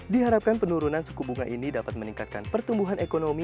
diharapkan penurunan suku bunga ini dapat meningkatkan pertumbuhan ekonomi